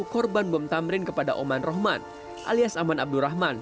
korban bom tamrin kepada oman rohman alias aman abdurrahman